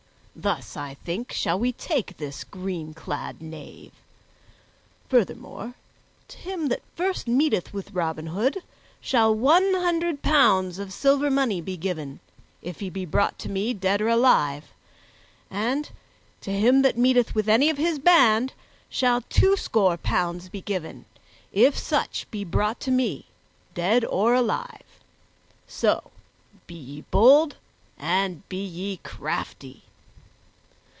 Thus, I think, shall we take this green clad knave. Furthermore, to him that first meeteth with Robin Hood shall one hundred pounds of silver money be given, if he be brought to me dead or alive; and to him that meeteth with any of his band shall twoscore pounds be given, if such be brought to me dead or alive. So, be ye bold and be ye crafty."